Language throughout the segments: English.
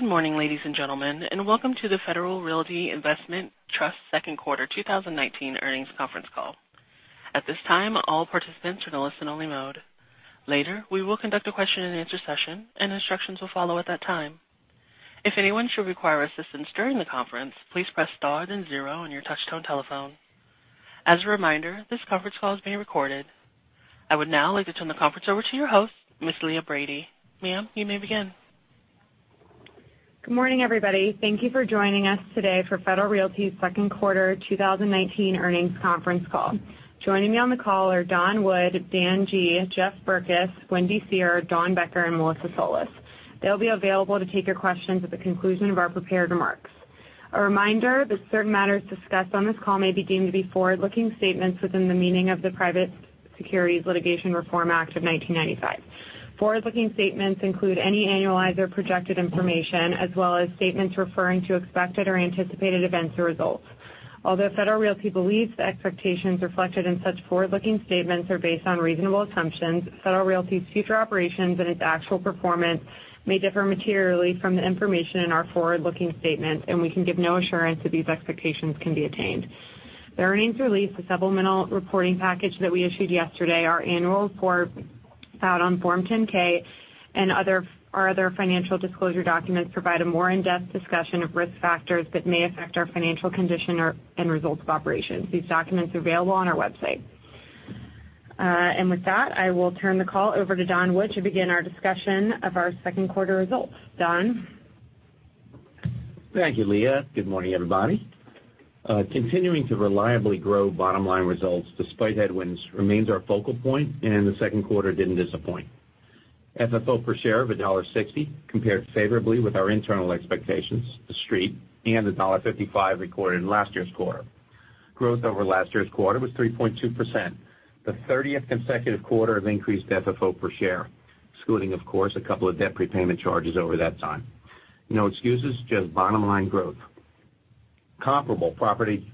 Good morning, ladies and gentlemen, and welcome to the Federal Realty Investment Trust second quarter 2019 earnings conference call. At this time, all participants are in a listen only mode. Later, we will conduct a question and answer session, and instructions will follow at that time. If anyone should require assistance during the conference, please press star then zero on your touch-tone telephone. As a reminder, this conference call is being recorded. I would now like to turn the conference over to your host, Ms. Leah Brady. Ma'am, you may begin. Good morning, everybody. Thank you for joining us today for Federal Realty's second quarter 2019 earnings conference call. Joining me on the call are Don Wood, Dan G., Jeff Berkes, Wendy Seher, Dawn Becker, and Melissa Solis. They'll be available to take your questions at the conclusion of our prepared remarks. A reminder that certain matters discussed on this call may be deemed to be forward-looking statements within the meaning of the Private Securities Litigation Reform Act of 1995. Forward-looking statements include any annualized or projected information, as well as statements referring to expected or anticipated events or results. Although Federal Realty believes the expectations reflected in such forward-looking statements are based on reasonable assumptions, Federal Realty's future operations and its actual performance may differ materially from the information in our forward-looking statements, and we can give no assurance that these expectations can be attained. The earnings release, the supplemental reporting package that we issued yesterday, our annual report filed on Form 10-K, and our other financial disclosure documents provide a more in-depth discussion of risk factors that may affect our financial condition or end results of operations. These documents are available on our website. With that, I will turn the call over to Don Wood to begin our discussion of our second quarter results. Don? Thank you, Leah. Good morning, everybody. Continuing to reliably grow bottom-line results despite headwinds remains our focal point, and the second quarter didn't disappoint. FFO per share of $1.60 compared favorably with our internal expectations, the Street, and the $1.55 recorded in last year's quarter. Growth over last year's quarter was 3.2%, the 30th consecutive quarter of increased FFO per share, excluding, of course, a couple of debt repayment charges over that time. No excuses, just bottom-line growth. Comparable property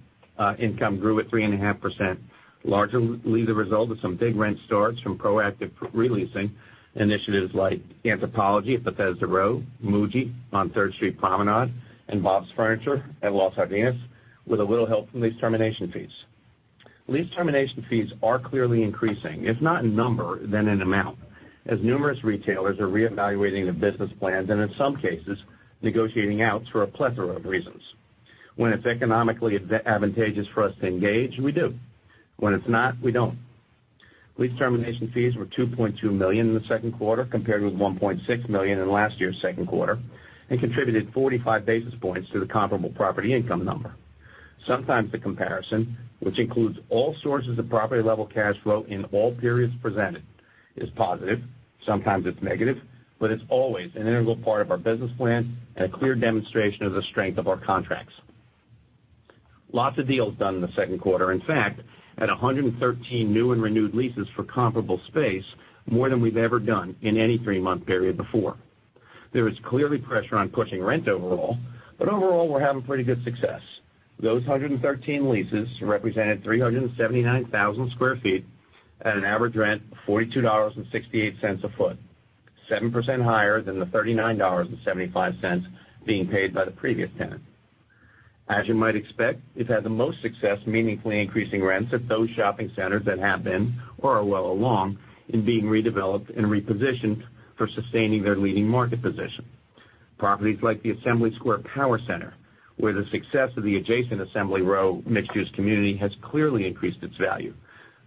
income grew at 3.5%, largely the result of some big rent starts from proactive re-leasing initiatives like Anthropologie at Bethesda Row, Muji on Third Street Promenade, and Bob's Furniture at Los Jardines, with a little help from lease termination fees. Lease termination fees are clearly increasing, if not in number, then in amount, as numerous retailers are reevaluating their business plans and in some cases, negotiating out for a plethora of reasons. When it's economically advantageous for us to engage, we do. When it's not, we don't. Lease termination fees were $2.2 million in the second quarter, compared with $1.6 million in last year's second quarter, and contributed 45 basis points to the comparable property income number. Sometimes the comparison, which includes all sources of property-level cash flow in all periods presented, is positive, sometimes it's negative, but it's always an integral part of our business plan and a clear demonstration of the strength of our contracts. Lots of deals done in the second quarter. In fact, at 113 new and renewed leases for comparable space, more than we've ever done in any three-month period before. There is clearly pressure on pushing rent overall. Overall, we're having pretty good success. Those 113 leases represented 379,000 sq ft at an average rent of $42.68 a foot, 7% higher than the $39.75 being paid by the previous tenant. As you might expect, we've had the most success meaningfully increasing rents at those shopping centers that have been or are well along in being redeveloped and repositioned for sustaining their leading market position. Properties like the Assembly Square Power Center, where the success of the adjacent Assembly Row mixed-use community has clearly increased its value.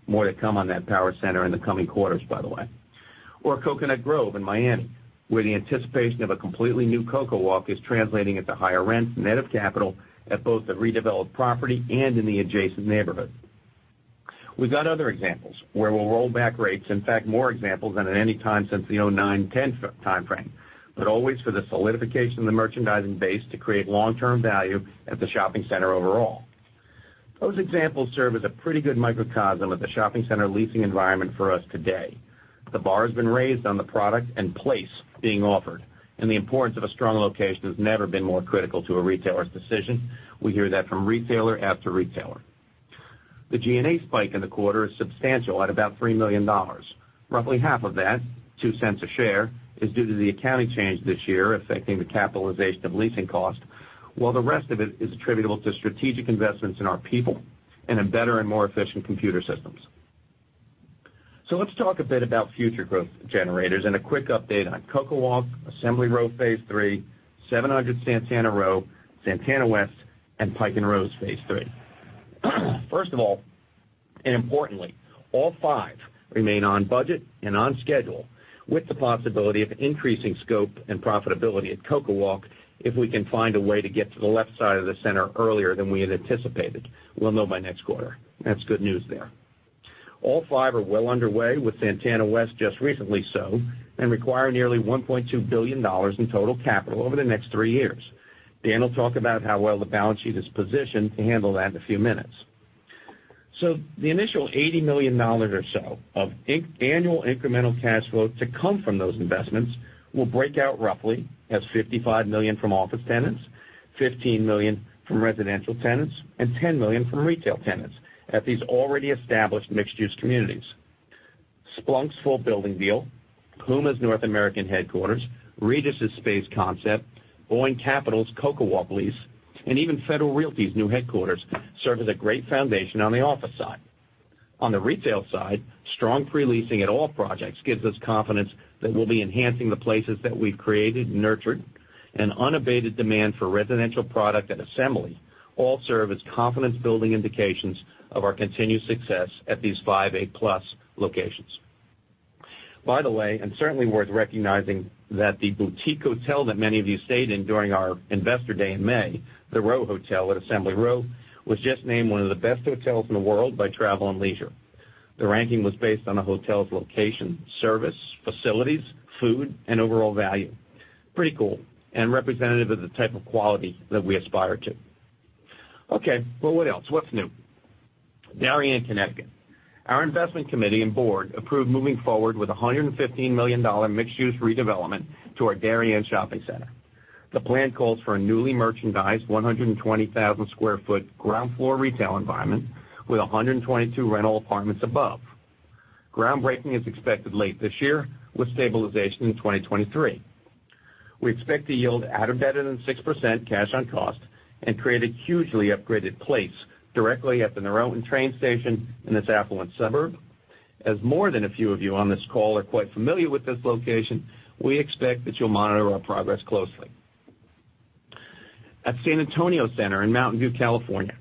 More to come on that power center in the coming quarters, by the way. Coconut Grove in Miami, where the anticipation of a completely new CocoWalk is translating into higher rents, net of capital, at both the redeveloped property and in the adjacent neighborhood. We've got other examples where we'll roll back rates, in fact, more examples than at any time since the 2009, 2010 timeframe. Always for the solidification of the merchandising base to create long-term value at the shopping center overall. Those examples serve as a pretty good microcosm of the shopping center leasing environment for us today. The bar has been raised on the product and place being offered. The importance of a strong location has never been more critical to a retailer's decision. We hear that from retailer after retailer. The G&A spike in the quarter is substantial at about $3 million. Roughly half of that, $0.02 a share, is due to the accounting change this year affecting the capitalization of leasing cost. The rest of it is attributable to strategic investments in our people and in better and more efficient computer systems. Let's talk a bit about future growth generators and a quick update on CocoWalk, Assembly Row Phase 3, 700 Santana Row, Santana West, and Pike & Rose Phase 3. First of all, and importantly, all five remain on budget and on schedule with the possibility of increasing scope and profitability at CocoWalk if we can find a way to get to the left side of the center earlier than we had anticipated. We'll know by next quarter. That's good news there. All five are well underway, with Santana West just recently so, and require nearly $1.2 billion in total capital over the next three years. Dan will talk about how well the balance sheet is positioned to handle that in a few minutes. The initial $80 million or so of annual incremental cash flow to come from those investments will break out roughly as $55 million from office tenants, $15 million from residential tenants, and $10 million from retail tenants at these already established mixed-use communities. Splunk's full building deal, Puma's North American headquarters, Regus' space concept, Boeing Capital's CocoWalk lease, and even Federal Realty's new headquarters serve as a great foundation on the office side. On the retail side, strong pre-leasing at all projects gives us confidence that we'll be enhancing the places that we've created and nurtured, and unabated demand for residential product at Assembly all serve as confidence-building indications of our continued success at these five A- locations. By the way, and certainly worth recognizing, that the boutique hotel that many of you stayed in during our Investor Day in May, The Row Hotel at Assembly Row, was just named one of the best hotels in the world by Travel + Leisure. The ranking was based on the hotel's location, service, facilities, food, and overall value. Pretty cool, and representative of the type of quality that we aspire to. Okay, well, what else? What's new? Darien, Connecticut. Our investment committee and board approved moving forward with $115 million mixed-use redevelopment to our Darien shopping center. The plan calls for a newly merchandised 120,000 sq ft ground floor retail environment with 122 rental apartments above. Groundbreaking is expected late this year with stabilization in 2023. We expect to yield out a better than 6% cash on cost and create a hugely upgraded place directly at the Noroton train station in this affluent suburb. As more than a few of you on this call are quite familiar with this location, we expect that you'll monitor our progress closely. At San Antonio Center in Mountain View, California.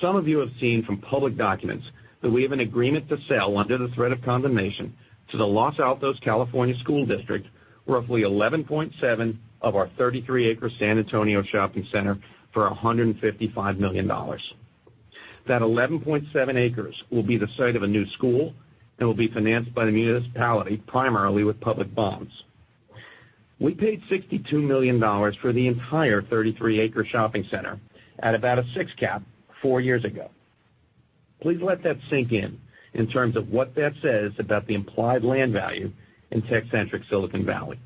Some of you have seen from public documents that we have an agreement to sell under the threat of condemnation to the Los Altos School District, roughly 11.7 of our 33-acre San Antonio Shopping Center for $155 million. That 11.7 acres will be the site of a new school and will be financed by the municipality primarily with public bonds. We paid $62 million for the entire 33-acre shopping center at about a six cap four years ago. Please let that sink in terms of what that says about the implied land value in tech-centric Silicon Valley.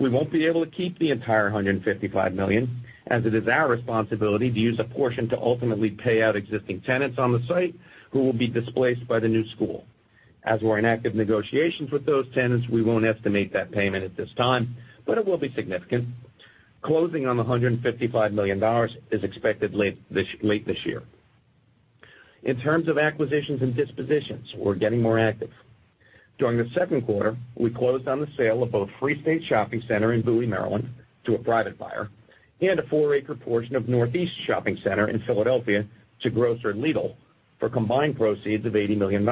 We won't be able to keep the entire $155 million, as it is our responsibility to use a portion to ultimately pay out existing tenants on the site who will be displaced by the new school. As we're in active negotiations with those tenants, we won't estimate that payment at this time, but it will be significant. Closing on the $155 million is expected late this year. In terms of acquisitions and dispositions, we're getting more active. During the second quarter, we closed on the sale of both Free State Shopping Center in Bowie, Maryland to a private buyer, and a four-acre portion of Northeast Shopping Center in Philadelphia to grocer Lidl for combined proceeds of $80 million.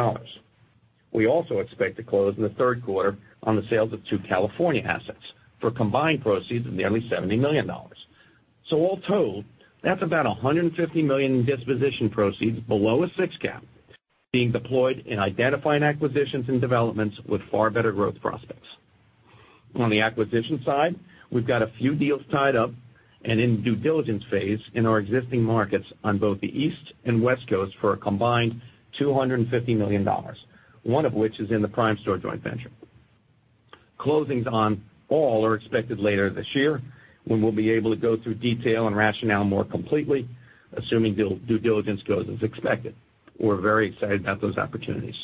We also expect to close in the third quarter on the sales of two California assets for combined proceeds of nearly $70 million. All told, that's about $150 million in disposition proceeds below a 6 cap being deployed in identifying acquisitions and developments with far better growth prospects. On the acquisition side, we've got a few deals tied up and in due diligence phase in our existing markets on both the East and West Coasts for a combined $250 million, one of which is in the Primestor joint venture. Closings on all are expected later this year, when we'll be able to go through detail and rationale more completely, assuming due diligence goes as expected. We're very excited about those opportunities.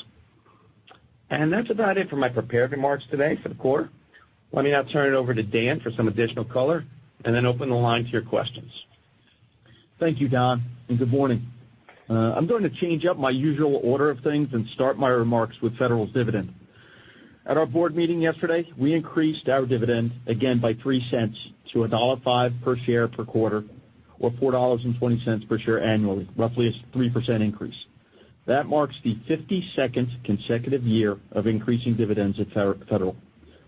That's about it for my prepared remarks today for the quarter. Let me now turn it over to Dan for some additional color, and then open the line to your questions. Thank you, Don. Good morning. I'm going to change up my usual order of things and start my remarks with Federal's dividend. At our board meeting yesterday, we increased our dividend again by $0.03 to $1.05 per share per quarter, or $4.20 per share annually, roughly a 3% increase. That marks the 52nd consecutive year of increasing dividends at Federal.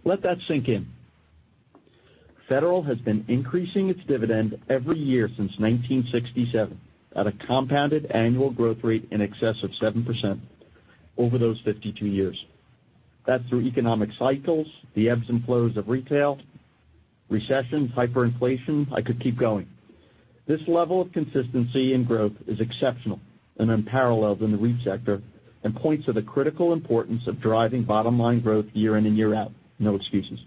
Let that sink in. Federal has been increasing its dividend every year since 1967 at a compounded annual growth rate in excess of 7% over those 52 years. That's through economic cycles, the ebbs and flows of retail, recession, hyperinflation. I could keep going. This level of consistency and growth is exceptional and unparalleled in the REIT sector and points to the critical importance of driving bottom-line growth year in and year out, no excuses.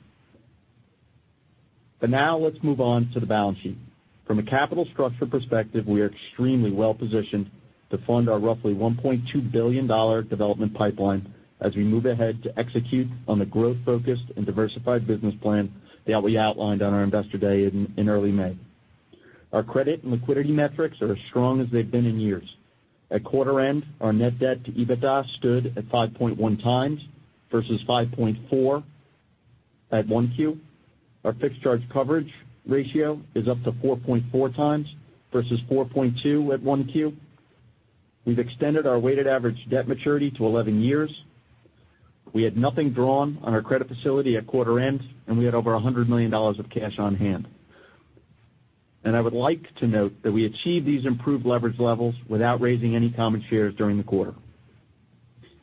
Now let's move on to the balance sheet. From a capital structure perspective, we are extremely well-positioned to fund our roughly $1.2 billion development pipeline as we move ahead to execute on the growth-focused and diversified business plan that we outlined on our Investor Day in early May. Our credit and liquidity metrics are as strong as they've been in years. At quarter end, our net debt to EBITDA stood at 5.1 times versus 5.4 at 1Q. Our fixed charge coverage ratio is up to 4.4 times versus 4.2 at 1Q. We've extended our weighted average debt maturity to 11 years. We had nothing drawn on our credit facility at quarter end, and we had over $100 million of cash on hand. I would like to note that we achieved these improved leverage levels without raising any common shares during the quarter.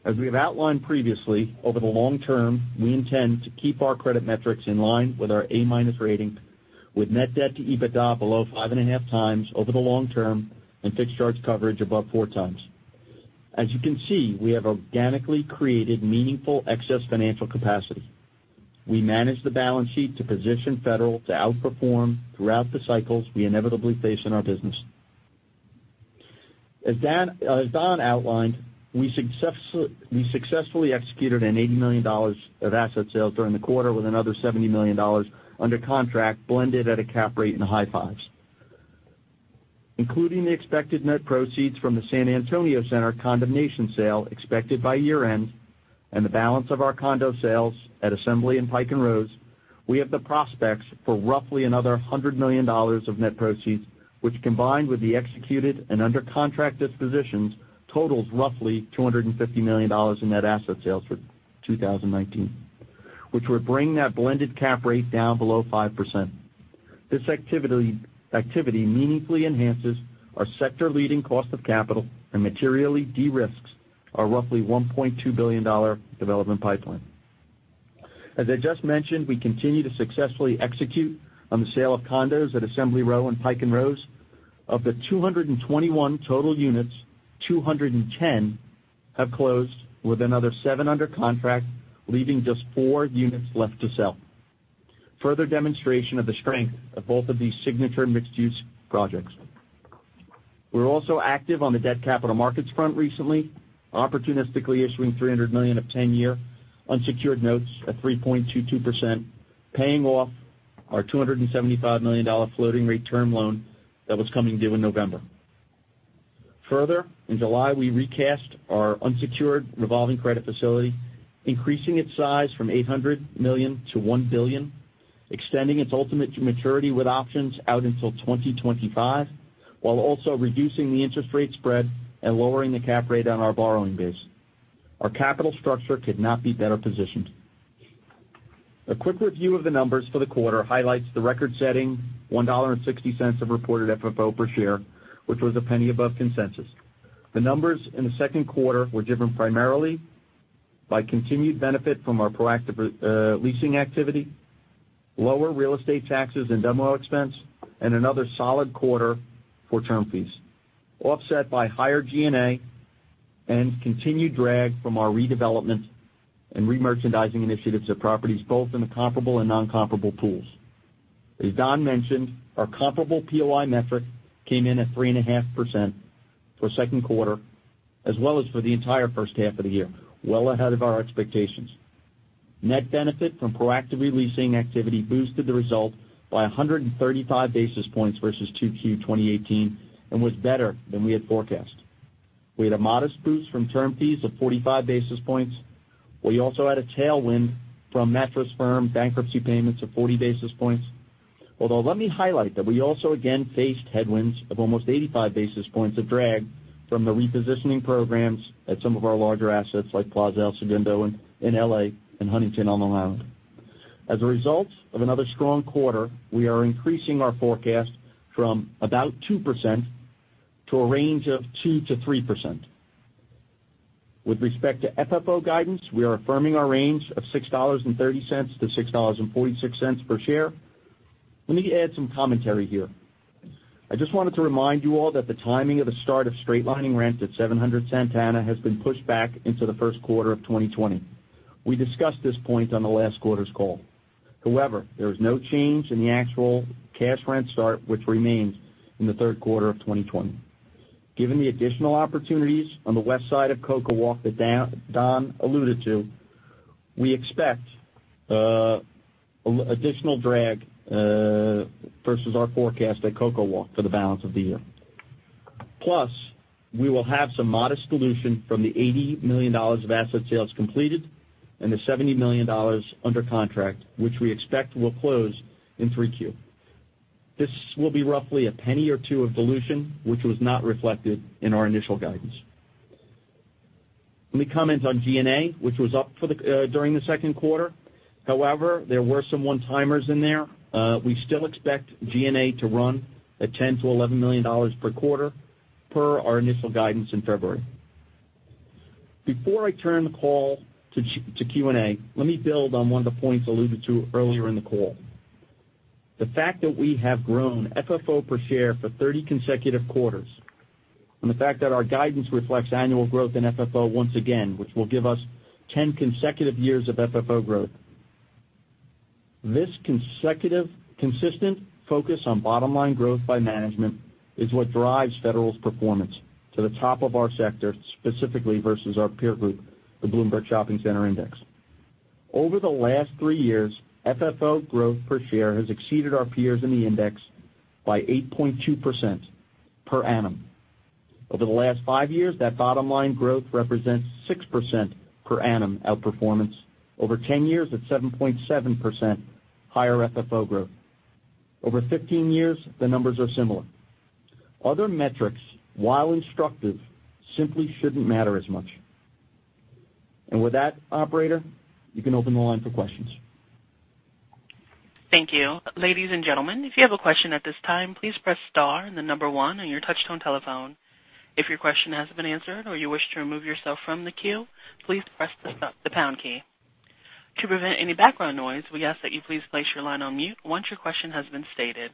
As we have outlined previously, over the long term, we intend to keep our credit metrics in line with our A- rating, with net debt to EBITDA below 5.5 times over the long term and fixed charge coverage above 4 times. As you can see, we have organically created meaningful excess financial capacity. We managed the balance sheet to position Federal to outperform throughout the cycles we inevitably face in our business. As Don outlined, we successfully executed an $80 million of asset sales during the quarter, with another $70 million under contract blended at a cap rate in the high 5s. Including the expected net proceeds from the San Antonio center condemnation sale expected by year-end, and the balance of our condo sales at Assembly and Pike & Rose, we have the prospects for roughly another $100 million of net proceeds, which combined with the executed and under contract dispositions, totals roughly $250 million in net asset sales for 2019, which would bring that blended cap rate down below 5%. This activity meaningfully enhances our sector leading cost of capital and materially de-risks our roughly $1.2 billion development pipeline. As I just mentioned, we continue to successfully execute on the sale of condos at Assembly Row and Pike & Rose. Of the 221 total units, 210 have closed, with another seven under contract, leaving just four units left to sell. Further demonstration of the strength of both of these signature mixed-use projects. We're also active on the debt capital markets front recently, opportunistically issuing $300 million of 10-year unsecured notes at 3.22%, paying off our $275 million floating rate term loan that was coming due in November. Further, in July, we recast our unsecured revolving credit facility, increasing its size from $800 million to $1 billion, extending its ultimate maturity with options out until 2025, while also reducing the interest rate spread and lowering the cap rate on our borrowing base. Our capital structure could not be better positioned. A quick review of the numbers for the quarter highlights the record-setting $1.60 of reported FFO per share, which was a penny above consensus. The numbers in the second quarter were driven primarily by continued benefit from our proactive leasing activity, lower real estate taxes and demo expense, and another solid quarter for term fees, offset by higher G&A and continued drag from our redevelopment and re-merchandising initiatives of properties both in the comparable and non-comparable pools. As Don mentioned, our comparable POI metric came in at 3.5% for second quarter, as well as for the entire first half of the year, well ahead of our expectations. Net benefit from proactive leasing activity boosted the result by 135 basis points versus 2Q 2018, and was better than we had forecast. We had a modest boost from term fees of 45 basis points. We also had a tailwind from Mattress Firm bankruptcy payments of 40 basis points. Let me highlight that we also again faced headwinds of almost 85 basis points of drag from the repositioning programs at some of our larger assets, like Plaza El Segundo in L.A. and Huntington on Long Island. As a result of another strong quarter, we are increasing our forecast from about 2% to a range of 2%-3%. With respect to FFO guidance, we are affirming our range of $6.30 to $6.46 per share. Let me add some commentary here. I just wanted to remind you all that the timing of the start of straight lining rent at 700 Santana has been pushed back into the first quarter of 2020. We discussed this point on the last quarter's call. However, there is no change in the actual cash rent start, which remains in the third quarter of 2020. Given the additional opportunities on the west side of CocoWalk that Don alluded to, we expect additional drag versus our forecast at CocoWalk for the balance of the year. We will have some modest dilution from the $80 million of asset sales completed and the $70 million under contract, which we expect will close in 3Q. This will be roughly a penny or two of dilution, which was not reflected in our initial guidance. Let me comment on G&A, which was up during the second quarter. There were some one-timers in there. We still expect G&A to run at $10 million-$11 million per quarter, per our initial guidance in February. Before I turn the call to Q&A, let me build on one of the points alluded to earlier in the call. The fact that we have grown FFO per share for 30 consecutive quarters, the fact that our guidance reflects annual growth in FFO once again, which will give us 10 consecutive years of FFO growth. This consistent focus on bottom-line growth by management is what drives Federal's performance to the top of our sector, specifically versus our peer group, the Bloomberg Shopping Center Index. Over the last 3 years, FFO growth per share has exceeded our peers in the index by 8.2% per annum. Over the last 5 years, that bottom-line growth represents 6% per annum outperformance. Over 10 years, it's 7.7% higher FFO growth. Over 15 years, the numbers are similar. Other metrics, while instructive, simply shouldn't matter as much. With that, operator, you can open the line for questions. Thank you. Ladies and gentlemen, if you have a question at this time, please press star and the number one on your touch-tone telephone. If your question has been answered or you wish to remove yourself from the queue, please press the pound key. To prevent any background noise, we ask that you please place your line on mute once your question has been stated.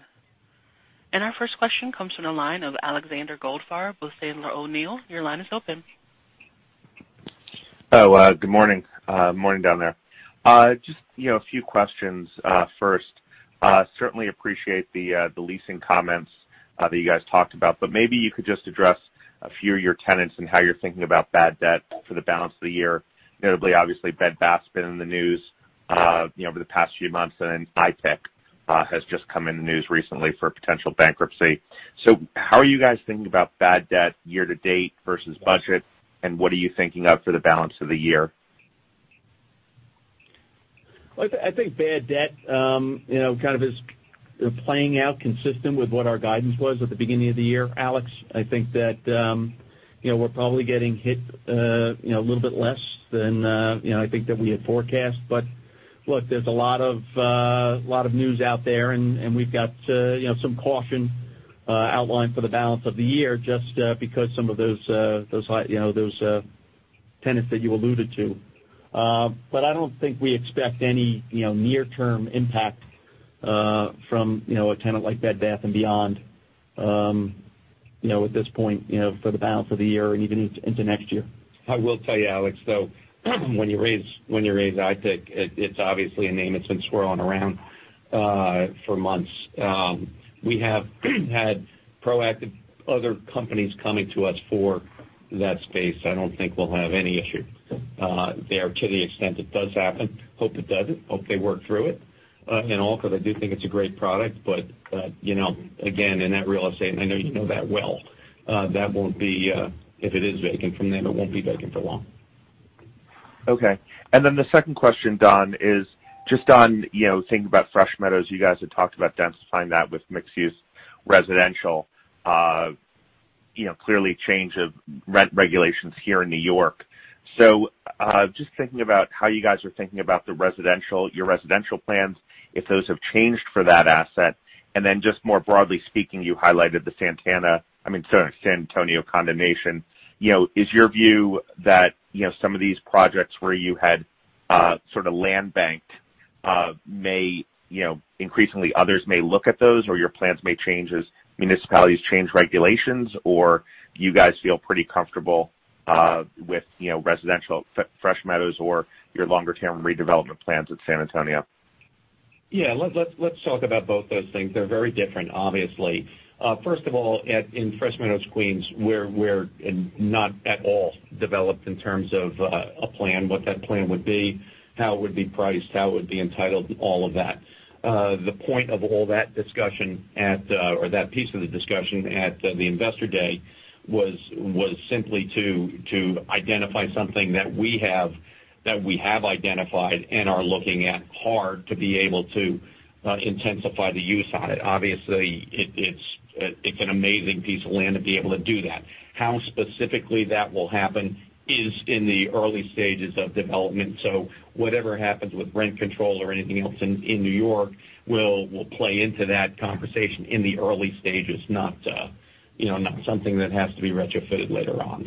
Our first question comes from the line of Alexander Goldfarb with Sandler O'Neill. Your line is open. Good morning. Morning down there. Just a few questions. First, certainly appreciate the leasing comments that you guys talked about, but maybe you could just address a few of your tenants and how you're thinking about bad debt for the balance of the year. Notably, obviously, Bed Bath's been in the news over the past few months, and then Itek has just come in the news recently for potential bankruptcy. How are you guys thinking about bad debt year-to-date versus budget, and what are you thinking of for the balance of the year? Well, I think bad debt kind of is playing out consistent with what our guidance was at the beginning of the year, Alex. I think that we're probably getting hit a little bit less than I think that we had forecast. Look, there's a lot of news out there, and we've got some caution outlined for the balance of the year just because some of those tenants that you alluded to. I don't think we expect any near-term impact from a tenant like Bed Bath & Beyond at this point for the balance of the year and even into next year. I will tell you, Alex, though when you raise Itek, it's obviously a name that's been swirling around for months. We have had proactive other companies coming to us for that space. I don't think we'll have any issue there to the extent it does happen. Hope it doesn't. Hope they work through it. Also, I do think it's a great product, but again, in that real estate, and I know you know that well, if it is vacant from them, it won't be vacant for long. Okay. The second question, Don, is just on thinking about Fresh Meadows. You guys had talked about densifying that with mixed-use residential. Clearly, change of rent regulations here in New York. Just thinking about how you guys are thinking about your residential plans, if those have changed for that asset. Just more broadly speaking, you highlighted the Santana-- I mean, sorry, San Antonio condemnation. Is your view that some of these projects where you had sort of land banked may increasingly others may look at those or your plans may change as municipalities change regulations? Do you guys feel pretty comfortable with residential Fresh Meadows or your longer-term redevelopment plans at San Antonio? Yeah, let's talk about both those things. They're very different, obviously. First of all, in Fresh Meadows, Queens, we're not at all developed in terms of a plan, what that plan would be, how it would be priced, how it would be entitled, all of that. The point of all that discussion or that piece of the discussion at the Investor Day was simply to identify something that we have identified and are looking at hard to be able to intensify the use on it. Obviously, it's an amazing piece of land to be able to do that. How specifically that will happen is in the early stages of development. Whatever happens with rent control or anything else in New York will play into that conversation in the early stages, not something that has to be retrofitted later on.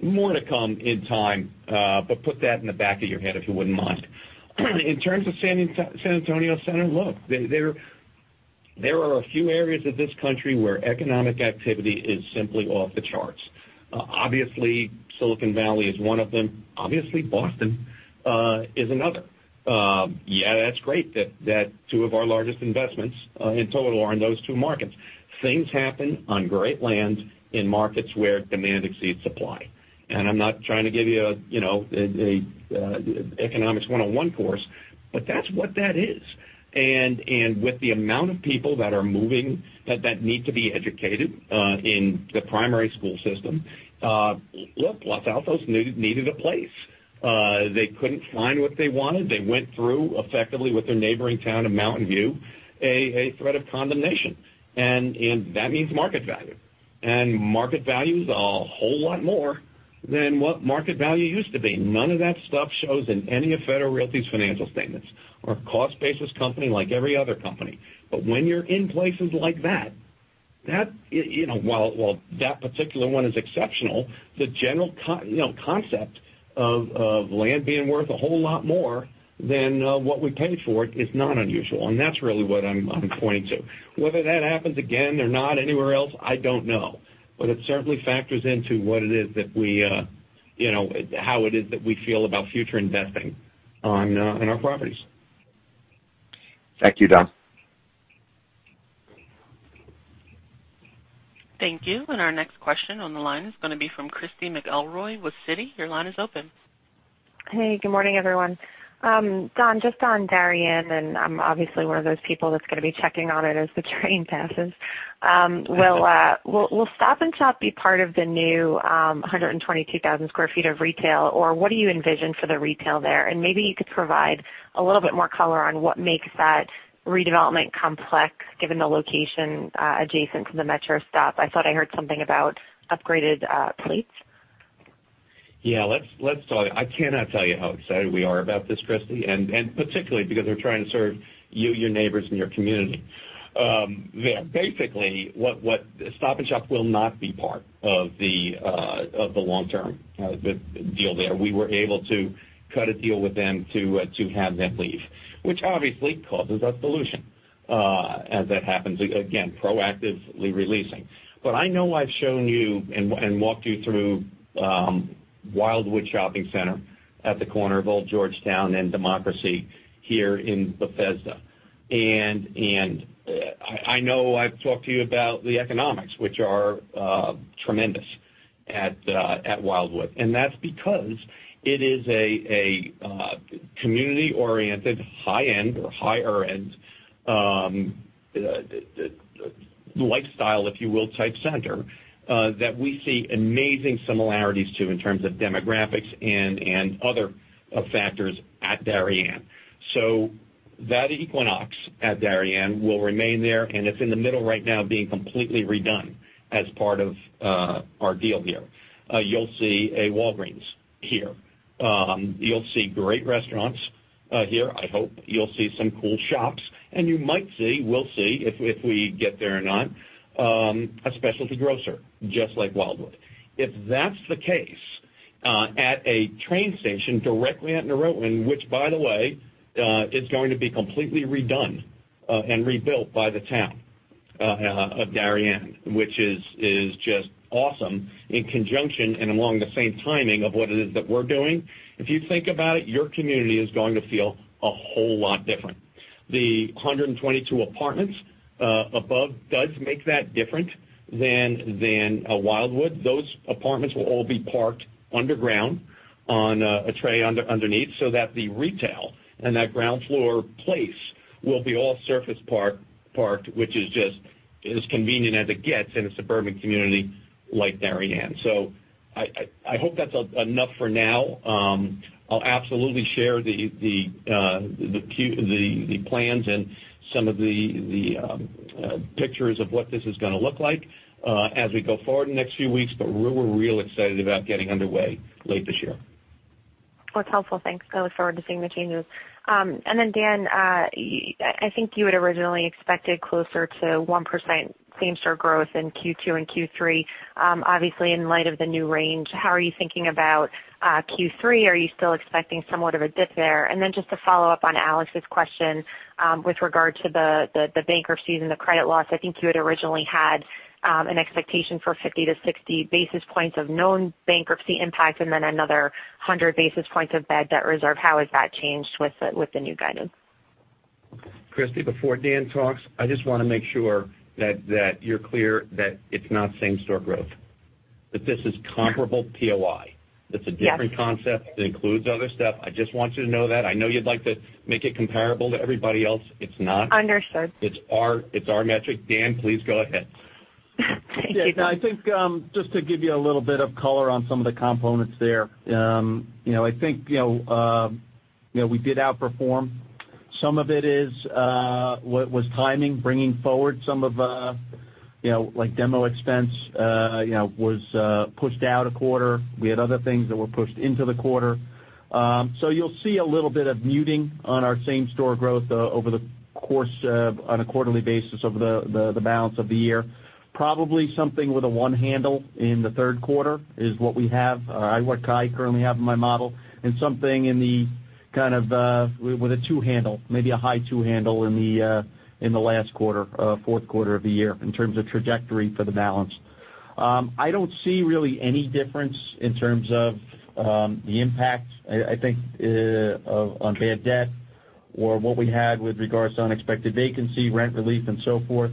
More to come in time, but put that in the back of your head if you wouldn't mind. In terms of San Antonio Center, look, there are a few areas of this country where economic activity is simply off the charts. Obviously, Silicon Valley is one of them. Obviously, Boston is another. Yeah, that's great that two of our largest investments in total are in those two markets. Things happen on great land in markets where demand exceeds supply. I'm not trying to give you an economics 101 course, but that's what that is. With the amount of people that are moving that need to be educated in the primary school system, look, Los Altos needed a place. They couldn't find what they wanted. They went through, effectively, with their neighboring town of Mountain View, a threat of condemnation. That means market value. Market value's a whole lot more than what market value used to be. None of that stuff shows in any of Federal Realty's financial statements. We're a cost-basis company like every other company. When you're in places like that, while that particular one is exceptional, the general concept of land being worth a whole lot more than what we paid for it is not unusual, and that's really what I'm pointing to. Whether that happens again or not anywhere else, I don't know. It certainly factors into how it is that we feel about future investing in our properties. Thank you, Don. Thank you. Our next question on the line is going to be from Christy McElroy with Citi. Your line is open. Hey, good morning, everyone. Don, just on Darien, I'm obviously one of those people that's going to be checking on it as the train passes. Will Stop & Shop be part of the new 122,000 square feet of retail, or what do you envision for the retail there? Maybe you could provide a little bit more color on what makes that redevelopment complex, given the location adjacent to the Metro-North stop. I thought I heard something about upgraded plates. Yeah, let's talk. I cannot tell you how excited we are about this, Christy, particularly because we're trying to serve you, your neighbors, and your community there. Stop & Shop will not be part of the long-term deal there. We were able to cut a deal with them to have them leave, which obviously causes us dilution as that happens, again, proactively releasing. I know I've shown you and walked you through Wildwood Shopping Center at the corner of Old Georgetown and Democracy here in Bethesda. I know I've talked to you about the economics, which are tremendous at Wildwood. That's because it is a community-oriented high-end or higher-end lifestyle, if you will, type center that we see amazing similarities to in terms of demographics and other factors at Darien. That Equinox at Darien will remain there, and it's in the middle right now being completely redone as part of our deal here. You'll see a Walgreens here. You'll see great restaurants here, I hope. You'll see some cool shops, and you might see, we'll see if we get there or not, a specialty grocer, just like Wildwood. If that's the case, at a train station directly at New Road, and which, by the way, is going to be completely redone and rebuilt by the town of Darien, which is just awesome, in conjunction and along the same timing of what it is that we're doing. If you think about it, your community is going to feel a whole lot different. The 122 apartments above does make that different than Wildwood. Those apartments will all be parked underground on a tray underneath, so that the retail and that ground floor place will be all surface parked, which is just as convenient as it gets in a suburban community like Darien. I hope that's enough for now. I'll absolutely share the plans and some of the pictures of what this is going to look like as we go forward in the next few weeks. We're real excited about getting underway late this year. That's helpful. Thanks. Dan, I think you had originally expected closer to 1% same-store growth in Q2 and Q3. Obviously, in light of the new range, how are you thinking about Q3? Are you still expecting somewhat of a dip there? Just to follow up on Alex's question with regard to the bankruptcy and the credit loss, I think you had originally had an expectation for 50-60 basis points of known bankruptcy impact and then another 100 basis points of bad debt reserve. How has that changed with the new guidance? Christy, before Dan talks, I just want to make sure that you're clear that it's not same-store growth, that this is comparable POI. Yes. It's a different concept that includes other stuff. I just want you to know that. I know you'd like to make it comparable to everybody else. It's not. Understood. It's our metric. Dan, please go ahead. Thank you. Yeah. I think just to give you a little bit of color on some of the components there. I think we did outperform. Some of it was timing, bringing forward some of the demo expense was pushed out a quarter. We had other things that were pushed into the quarter. You'll see a little bit of muting on our same-store growth over the course on a quarterly basis over the balance of the year. Probably something with a one handle in the third quarter is what we have, what I currently have in my model, and something with a two handle, maybe a high two handle in the last quarter, fourth quarter of the year, in terms of trajectory for the balance. I don't see really any difference in terms of the impact, I think, on bad debt or what we had with regards to unexpected vacancy, rent relief, and so forth.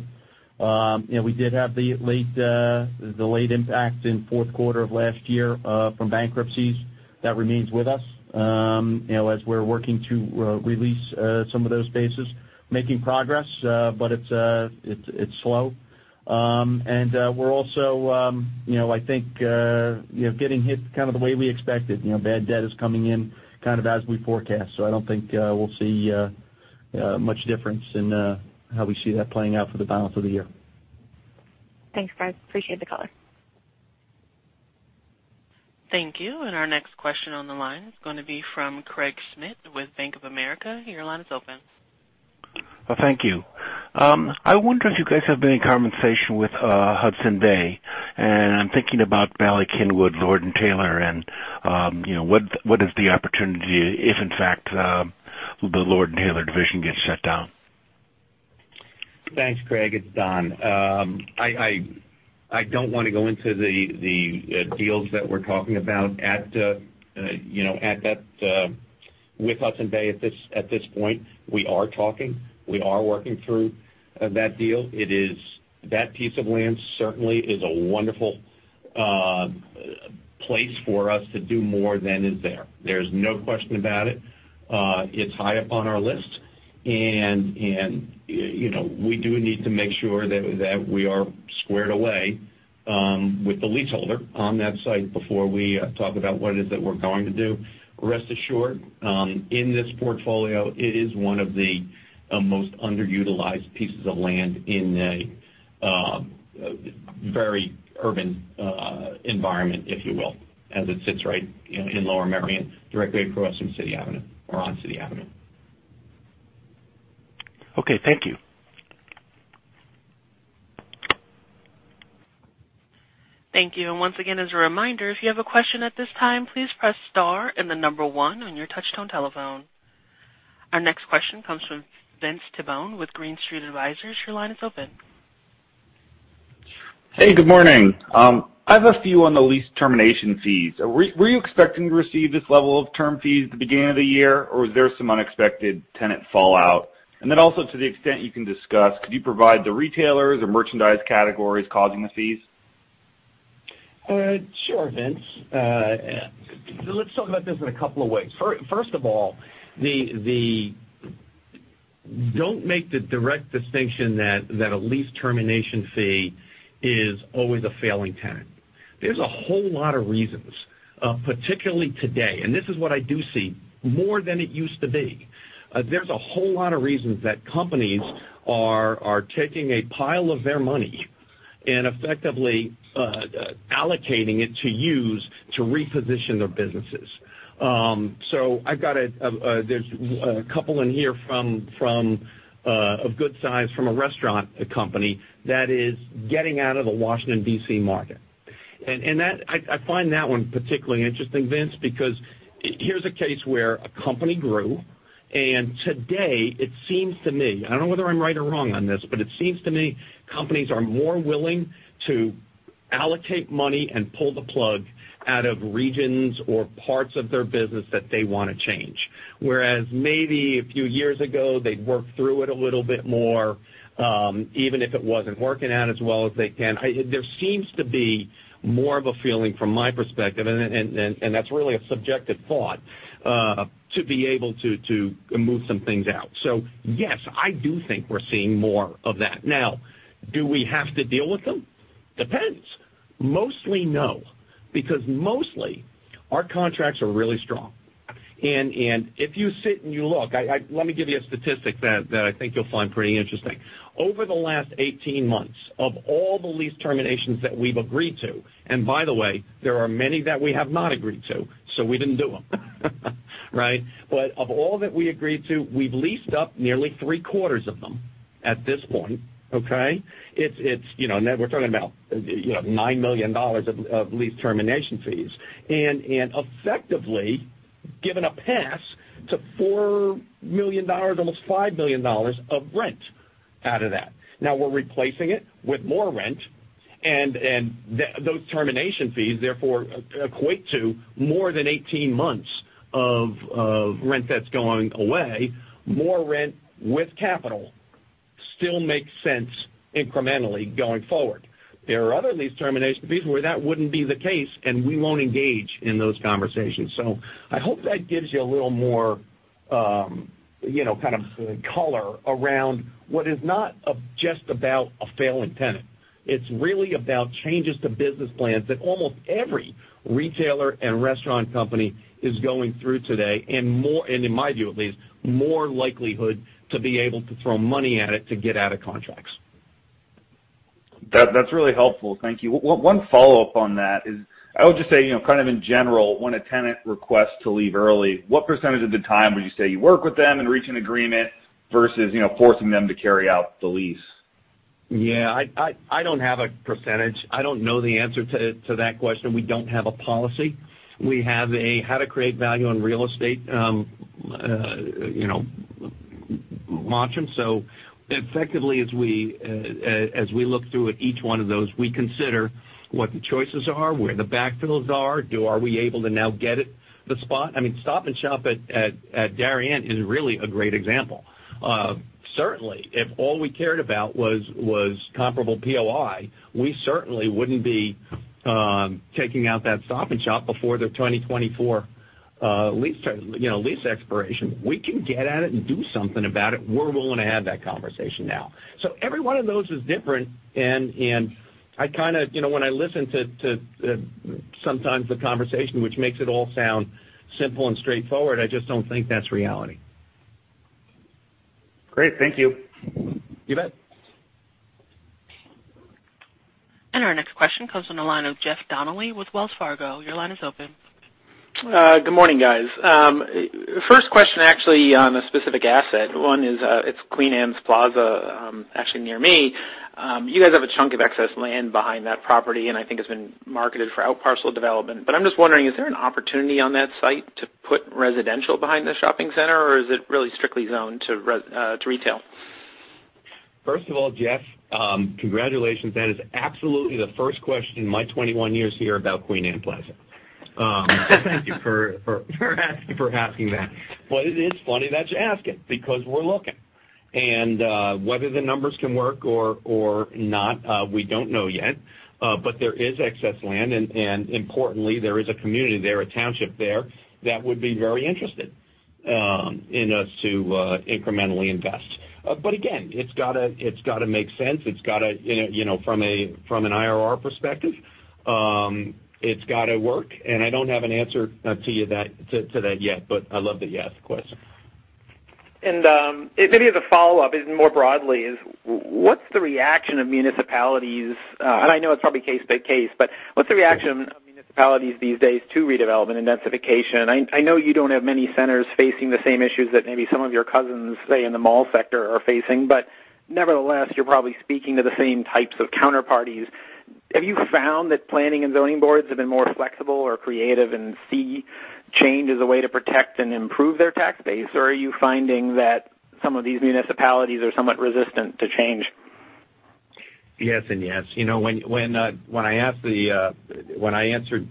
We did have the late impact in fourth quarter of last year from bankruptcies. That remains with us as we're working to release some of those spaces. Making progress. It's slow. We're also, I think, getting hit kind of the way we expected. Bad debt is coming in kind of as we forecast. I don't think we'll see much difference in how we see that playing out for the balance of the year. Thanks, guys. Appreciate the color. Thank you. Our next question on the line is going to be from Craig Schmidt with Bank of America. Your line is open. Thank you. I wonder if you guys have been in conversation with Hudson's Bay, and I'm thinking about Bala Cynwyd, Lord & Taylor, and what is the opportunity if, in fact, the Lord & Taylor division gets shut down? Thanks, Craig. It's Don. I don't want to go into the deals that we're talking about with Hudson's Bay at this point. We are talking. We are working through that deal. That piece of land certainly is a wonderful place for us to do more than is there. There's no question about it. It's high up on our list. We do need to make sure that we are squared away with the leaseholder on that site before we talk about what it is that we're going to do. Rest assured, in this portfolio, it is one of the most underutilized pieces of land in a very urban environment, if you will, as it sits right in Lower Merion, directly across from City Avenue or on City Avenue. Okay. Thank you. Thank you. Once again, as a reminder, if you have a question at this time, please press star and the number one on your touch-tone telephone. Our next question comes from Vince Tibone with Green Street Advisors. Your line is open. Hey, good morning. I have a few on the lease termination fees. Were you expecting to receive this level of term fees at the beginning of the year, or was there some unexpected tenant fallout? Also, to the extent you can discuss, could you provide the retailers or merchandise categories causing the fees? Sure, Vince. Let's talk about this in a couple of ways. First of all, don't make the direct distinction that a lease termination fee is always a failing tenant. There's a whole lot of reasons, particularly today, and this is what I do see more than it used to be. There's a whole lot of reasons that companies are taking a pile of their money and effectively allocating it to use to reposition their businesses. There's a couple in here of good size from a restaurant company that is getting out of the Washington, D.C., market. I find that one particularly interesting, Vince, because here's a case where a company grew, and today it seems to me, I don't know whether I'm right or wrong on this, but it seems to me companies are more willing to allocate money and pull the plug out of regions or parts of their business that they want to change. Whereas maybe a few years ago, they'd work through it a little bit more, even if it wasn't working out as well as they can. There seems to be more of a feeling from my perspective, and that's really a subjective thought, to be able to move some things out. Yes, I do think we're seeing more of that. Do we have to deal with them? Depends. Mostly no, because mostly our contracts are really strong. If you sit and you look, let me give you a statistic that I think you'll find pretty interesting. Over the last 18 months of all the lease terminations that we've agreed to, and by the way, there are many that we have not agreed to, so we didn't do them, right. Of all that we agreed to, we've leased up nearly three-quarters of them at this point. Okay. We're talking about $9 million of lease termination fees, and effectively given a pass to $4 million, almost $5 million of rent out of that. We're replacing it with more rent, and those termination fees therefore equate to more than 18 months of rent that's going away, more rent with capital still makes sense incrementally going forward. There are other lease termination fees where that wouldn't be the case, and we won't engage in those conversations. I hope that gives you a little more kind of color around what is not just about a failing tenant. It's really about changes to business plans that almost every retailer and restaurant company is going through today, and in my view, at least, more likelihood to be able to throw money at it to get out of contracts. That's really helpful. Thank you. One follow-up on that is, I would just say in general, when a tenant requests to leave early, what percentage of the time would you say you work with them and reach an agreement versus forcing them to carry out the lease? Yeah, I don't have a %. I don't know the answer to that question. We don't have a policy. We have a how to create value on real estate mantra. Effectively, as we look through at each one of those, we consider what the choices are, where the backfills are. Are we able to now get it the spot? Stop & Shop at Darien is really a great example. Certainly, if all we cared about was comparable POI, we certainly wouldn't be taking out that Stop & Shop before the 2024 lease expiration. We can get at it and do something about it. We're willing to have that conversation now. Every one of those is different, and when I listen to sometimes the conversation, which makes it all sound simple and straightforward, I just don't think that's reality. Great. Thank you. You bet. Our next question comes from the line of Jeff Donnelly with Wells Fargo. Your line is open. Good morning, guys. First question, actually, on a specific asset. One is, it's Queen Anne Plaza, actually near me. You guys have a chunk of excess land behind that property, and I think it's been marketed for outparcel development. I'm just wondering, is there an opportunity on that site to put residential behind the shopping center, or is it really strictly zoned to retail? First of all, Jeff, congratulations. That is absolutely the first question in my 21 years here about Queen Anne Plaza. Thank you for asking that. It is funny that you ask it because we're looking. Whether the numbers can work or not, we don't know yet. There is excess land, and importantly, there is a community there, a township there, that would be very interested in us to incrementally invest. Again, it's got to make sense from an IRR perspective. It's got to work, and I don't have an answer to that yet, but I love that you asked the question. Maybe as a follow-up, more broadly is, what's the reaction of municipalities? I know it's probably case by case, but what's the reaction of municipalities these days to redevelopment and densification. I know you don't have many centers facing the same issues that maybe some of your cousins, say, in the mall sector are facing, but nevertheless, you're probably speaking to the same types of counterparties. Have you found that planning and zoning boards have been more flexible or creative and see change as a way to protect and improve their tax base? Are you finding that some of these municipalities are somewhat resistant to change? Yes and yes. When I answered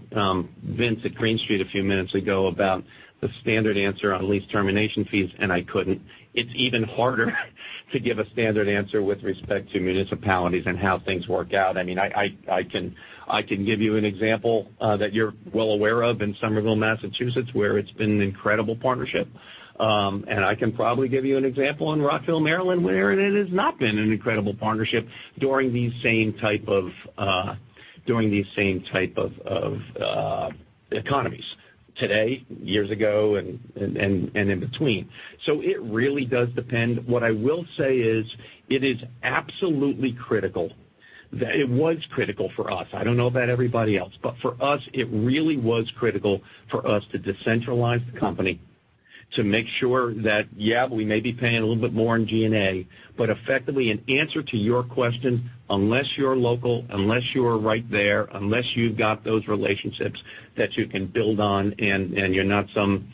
Vince at Green Street a few minutes ago about the standard answer on lease termination fees, and I couldn't, it's even harder to give a standard answer with respect to municipalities and how things work out. I can give you an example that you're well aware of in Somerville, Massachusetts, where it's been an incredible partnership. I can probably give you an example in Rockville, Maryland, where it has not been an incredible partnership during these same type of economies today, years ago, and in between. It really does depend. What I will say is it is absolutely critical, that it was critical for us. I don't know about everybody else, but for us, it really was critical for us to decentralize the company to make sure that, yeah, we may be paying a little bit more in G&A. Effectively, in answer to your question, unless you're local, unless you're right there, unless you've got those relationships that you can build on, and you're not some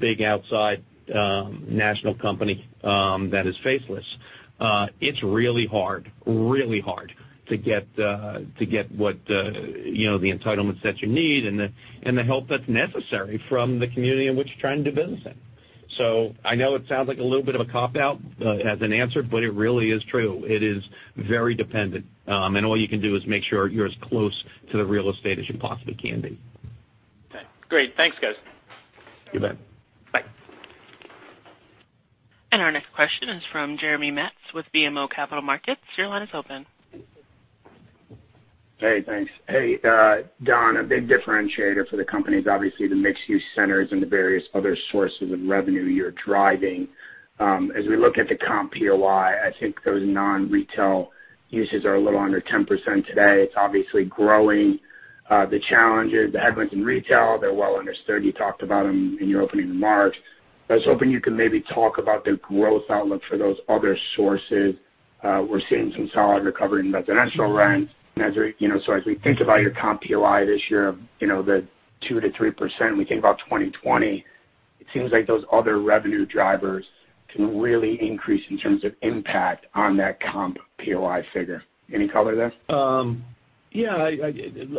big outside national company that is faceless, it's really hard to get the entitlements that you need and the help that's necessary from the community in which you're trying to do business in. I know it sounds like a little bit of a cop-out as an answer, but it really is true. It is very dependent. All you can do is make sure you're as close to the real estate as you possibly can be. Okay, great. Thanks, guys. You bet. Bye. Our next question is from Jeremy Metz with BMO Capital Markets. Your line is open. Hey, thanks. Hey, Don, a big differentiator for the company is obviously the mixed-use centers and the various other sources of revenue you're driving. As we look at the comp POI, I think those non-retail uses are a little under 10% today. It's obviously growing. The challenges, the headwinds in retail, they're well understood. You talked about them in your opening remarks. I was hoping you could maybe talk about the growth outlook for those other sources. We're seeing some solid recovery in residential rents. As we think about your comp POI this year, the 2%-3%, we think about 2020, it seems like those other revenue drivers can really increase in terms of impact on that comp POI figure. Any color there? Yeah.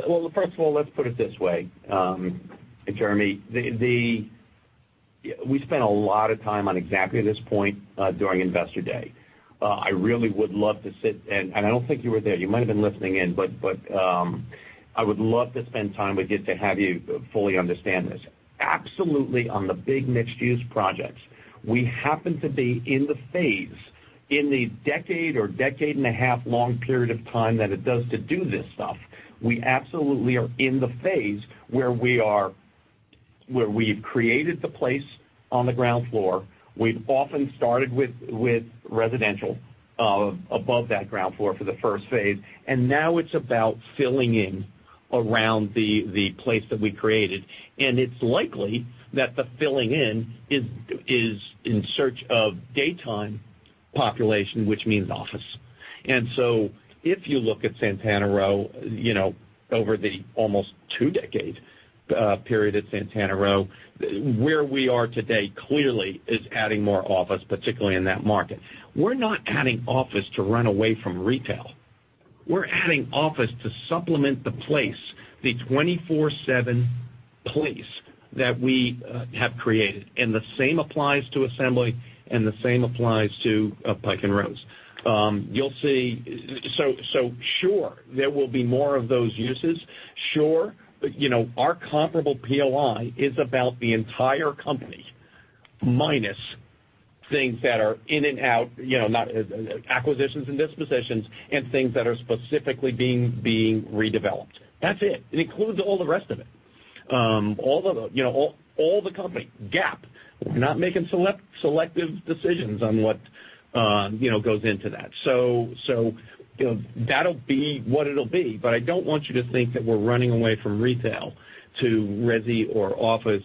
Well, first of all, let's put it this way, Jeremy. We spent a lot of time on exactly this point during Investor Day. I really would love to sit, and I don't think you were there. You might've been listening in, but I would love to spend time with you to have you fully understand this. Absolutely on the big mixed-use projects, we happen to be in the phase in the decade or decade and a half long period of time that it does to do this stuff. We absolutely are in the phase where we've created the place on the ground floor. We've often started with residential above that ground floor for the first phase, and now it's about filling in around the place that we created. It's likely that the filling in is in search of daytime population, which means office. If you look at Santana Row over the almost two-decade period at Santana Row, where we are today clearly is adding more office, particularly in that market. We're not adding office to run away from retail. We're adding office to supplement the place, the 24/7 place that we have created, and the same applies to Assembly, and the same applies to Pike & Rose. Sure, there will be more of those uses. Sure. Our comparable POI is about the entire company, minus things that are in and out, acquisitions and dispositions, and things that are specifically being redeveloped. That's it. It includes all the rest of it, all the company, GAAP. We're not making selective decisions on what goes into that. That'll be what it'll be, but I don't want you to think that we're running away from retail to resi or office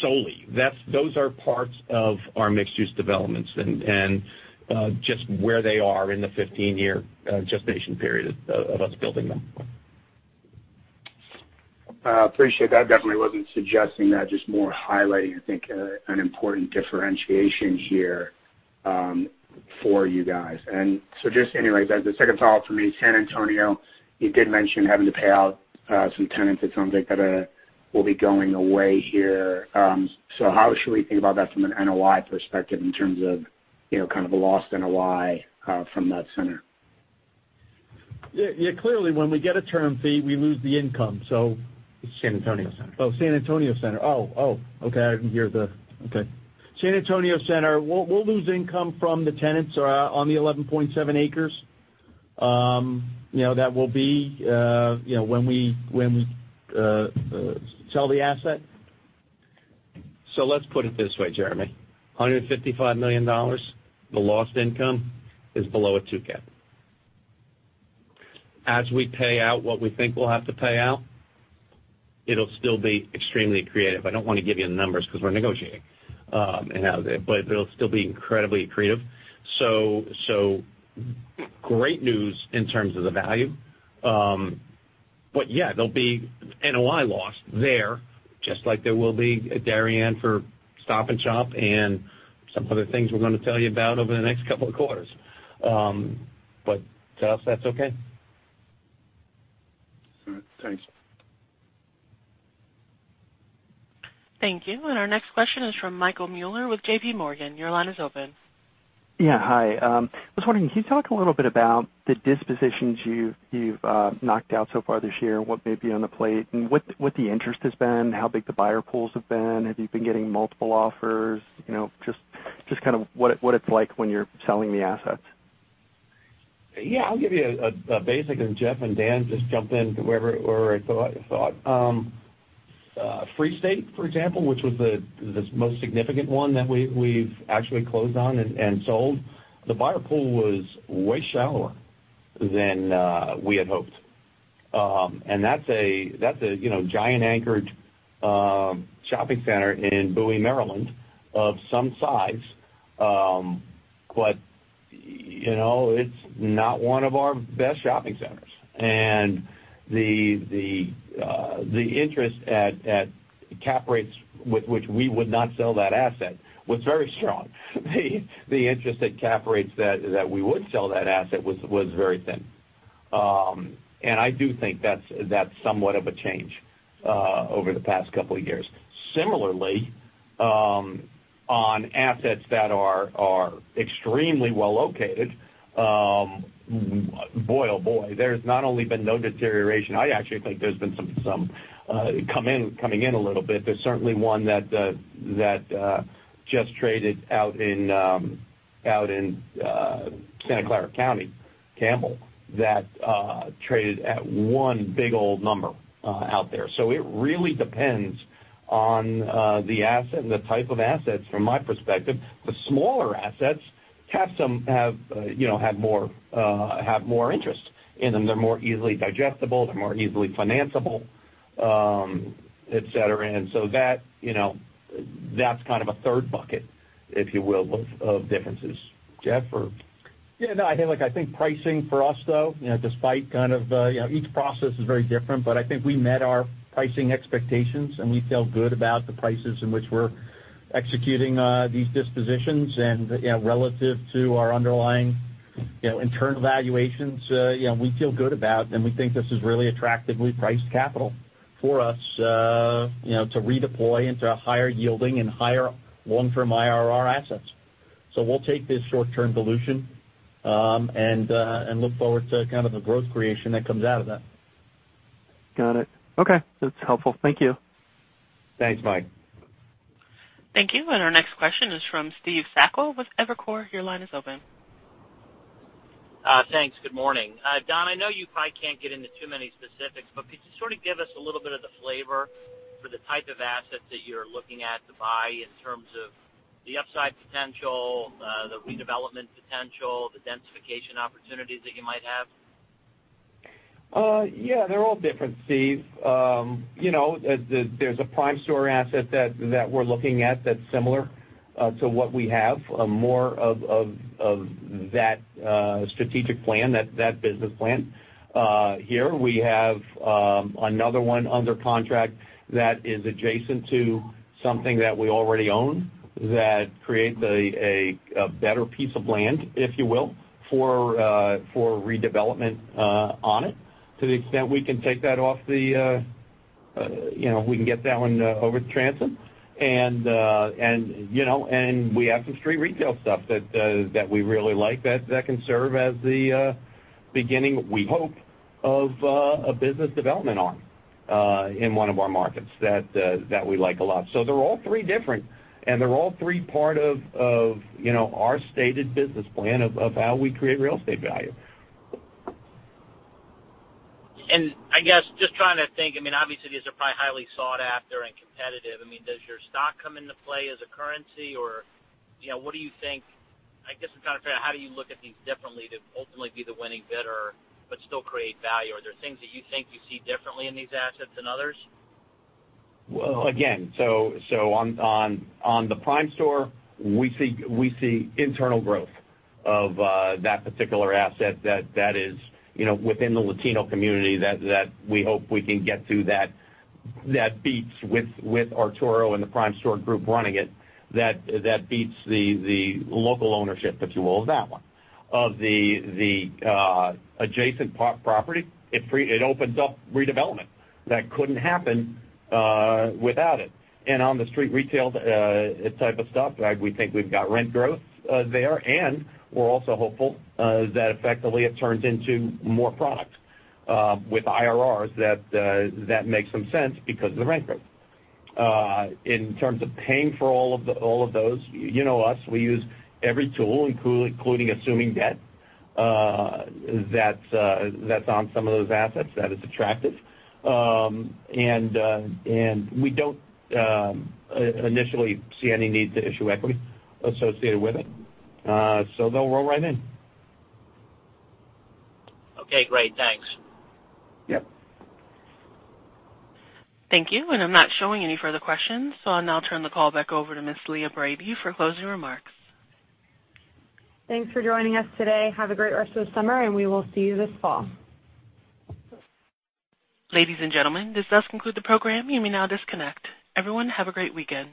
solely. Those are parts of our mixed-use developments, and just where they are in the 15-year gestation period of us building them. I appreciate that. Definitely wasn't suggesting that, just more highlighting, I think, an important differentiation here for you guys. Just anyway, the second follow-up for me, San Antonio, you did mention having to pay out some tenants, it sounds like that will be going away here. How should we think about that from an NOI perspective in terms of kind of a lost NOI from that center? Yeah. Clearly, when we get a term fee, we lose the income. It's San Antonio Center. San Antonio Center. Okay. I didn't hear the Okay. San Antonio Center, we'll lose income from the tenants on the 11.7 acres. That will be when we sell the asset. Let's put it this way, Jeremy. $155 million, the lost income, is below a two cap. As we pay out what we think we'll have to pay out, it'll still be extremely accretive. I don't want to give you the numbers because we're negotiating, but it'll still be incredibly accretive. Great news in terms of the value. Yeah, there'll be NOI loss there, just like there will be at Darien for Stop & Shop and some other things we're going to tell you about over the next couple of quarters. To us, that's okay. All right. Thanks. Thank you. Our next question is from Michael Mueller with JPMorgan. Your line is open. Yeah. Hi. I was wondering, can you talk a little bit about the dispositions you've knocked out so far this year, and what may be on the plate, and what the interest has been, how big the buyer pools have been? Have you been getting multiple offers? Just kind of what it's like when you're selling the assets. Yeah. I'll give you a basic. Jeff and Dan, just jump in wherever thought. Free State, for example, which was the most significant one that we've actually closed on and sold, the buyer pool was way shallower than we had hoped. That's a giant anchored shopping center in Bowie, Maryland, of some size. It's not one of our best shopping centers. The interest at cap rates with which we would not sell that asset was very strong. The interest at cap rates that we would sell that asset was very thin. I do think that's somewhat of a change over the past couple of years. Similarly, on assets that are extremely well located, boy oh boy, there's not only been no deterioration, I actually think there's been some coming in a little bit. There's certainly one that just traded out in Santa Clara County, Campbell, that traded at one big old number out there. It really depends on the type of assets from my perspective. The smaller assets have more interest in them. They're more easily digestible. They're more easily financeable, et cetera. That's kind of a third bucket, if you will, of differences. Jeff or Yeah. No, I think pricing for us, though, despite kind of each process is very different, but I think we met our pricing expectations, and we feel good about the prices in which we're executing these dispositions. Relative to our underlying internal valuations, we feel good about, and we think this is really attractively priced capital for us to redeploy into higher yielding and higher long-term IRR assets. We'll take this short-term dilution and look forward to kind of the growth creation that comes out of that. Got it. Okay. That's helpful. Thank you. Thanks, Mike. Thank you. Our next question is from Steve Sakwa with Evercore. Your line is open. Thanks. Good morning. Don, I know you probably can't get into too many specifics, but could you sort of give us a little bit of the flavor for the type of assets that you're looking at to buy in terms of the upside potential, the redevelopment potential, the densification opportunities that you might have? Yeah. They're all different, Steve. There's a Primestor asset that we're looking at that's similar to what we have, more of that strategic plan, that business plan. Here, we have another one under contract that is adjacent to something that we already own that creates a better piece of land, if you will, for redevelopment on it. To the extent we can get that one over the transom. We have some street retail stuff that we really like that can serve as the beginning, we hope, of a business development arm in one of our markets that we like a lot. They're all three different, and they're all three part of our stated business plan of how we create real estate value. I guess, just trying to think, obviously, these are probably highly sought after and competitive. Does your stock come into play as a currency? I guess I'm trying to figure out, how do you look at these differently to ultimately be the winning bidder but still create value? Are there things that you think you see differently in these assets than others? Well, again, on the Primestor, we see internal growth of that particular asset that is within the Latino community that we hope we can get to that beats with Arturo and the Primestor group running it, that beats the local ownership, if you will, of that one. Of the adjacent property, it opens up redevelopment that couldn't happen without it. On the street retail type of stuff, we think we've got rent growth there, and we're also hopeful that effectively it turns into more product with IRRs that makes some sense because of the rent growth. In terms of paying for all of those, you know us, we use every tool, including assuming debt that's on some of those assets that is attractive. We don't initially see any need to issue equity associated with it. They'll roll right in. Okay, great. Thanks. Yep. Thank you. I'm not showing any further questions, so I'll now turn the call back over to Ms. Leah Brady for closing remarks. Thanks for joining us today. Have a great rest of the summer, and we will see you this fall. Ladies and gentlemen, this does conclude the program. You may now disconnect. Everyone, have a great weekend.